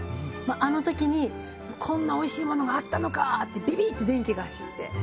あの時に「こんなおいしいものがあったのか」ってビビッて電気が走って。